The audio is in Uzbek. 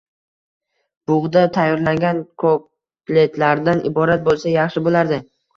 Bugʻda tayyorlangan kotletlardan iborat boʻlsa yaxshi boʻlardi.